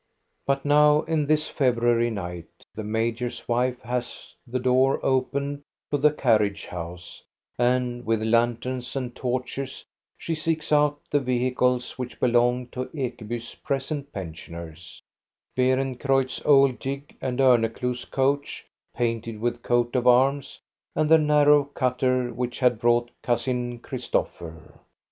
But now in this February night the major's wife has the door opened to the carriage house, and with lanterns and torches she seeks out the vehicles which belong to Ekeby's present pensioners, — Bee rencreutz's old gig, and Orneclou's coach, painted with coat of arms, and the narrow cutter which had brought Cousin Christopher.